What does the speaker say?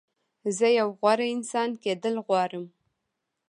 زه یو غوره انسان کېدل غواړم.